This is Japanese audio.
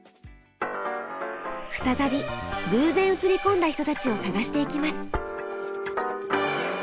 再び偶然映り込んだ人たちを探していきます。